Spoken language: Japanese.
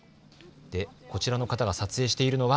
こちらの方が撮影しているのは。